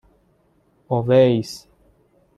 اویس